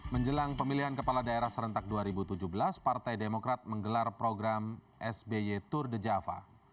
menjelang pemilihan kepala daerah serentak dua ribu tujuh belas partai demokrat menggelar program sby tour de java